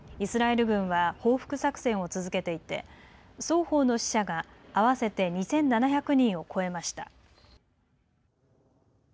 イスラエル軍は報復作戦を続けていて双方の死者が合わせて２７００人を超えました。